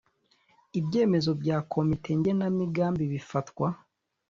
Ibyemezo bya Komite Ngenamigambi bifatwa